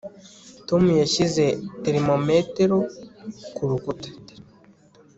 Tom yashyize termometero kurukuta